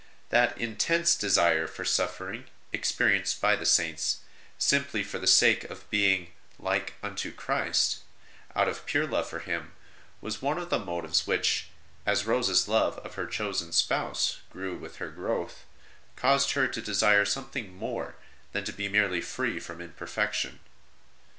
That intense desire for suffering experienced by the Saints, simply for the sake of being like unto Christ, out of pure love for Him, was one of the motives which, as Rose s love of her chosen Spouse grew with her growth, caused her to desire something more than to be merely free from imperfection.